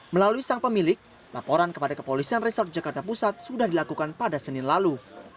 melalui sang pemilik laporan kepada kepolisian resort jakarta pusat sudah dilakukan pada senin lalu